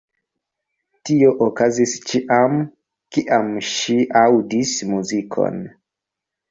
Tio okazis ĉiam, kiam ŝi aŭdis muzikon.